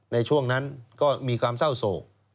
ในช่วงนั้นก็มีความเศร้าโศก